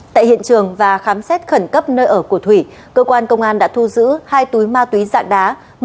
tại hiện trường và khám xét khẩn cấp nơi ở của thủy cơ quan công an đã thu giữ hai túi ma túy dạng đá